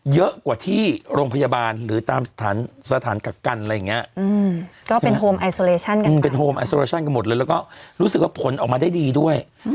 เยอะกว่าที่โรงพยาบาลหรือตามสถานสถานกักกันอะไรอย่างเงี้ย